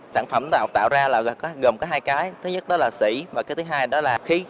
sản phẩm tạo ra là gồm có hai cái thứ nhất đó là sĩ và cái thứ hai đó là khí